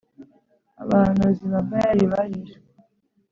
abahanuzi ba Bayali barishwe